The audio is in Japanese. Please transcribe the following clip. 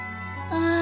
ああ。